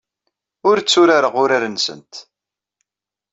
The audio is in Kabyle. Ur tturareɣ urar-nsent.